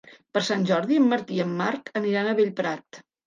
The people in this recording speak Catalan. Per Sant Jordi en Martí i en Marc aniran a Bellprat.